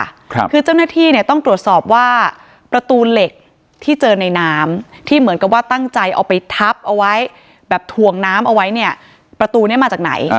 ครับคือเจ้าหน้าที่เนี่ยต้องตรวจสอบว่าประตูเหล็กที่เจอในน้ำที่เหมือนกับว่าตั้งใจเอาไปทับเอาไว้แบบถ่วงน้ำเอาไว้เนี่ยประตูเนี้ยมาจากไหน